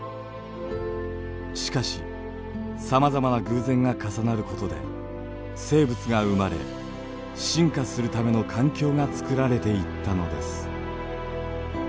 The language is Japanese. しかしさまざまな偶然が重なることで生物が生まれ進化するための環境がつくられていったのです。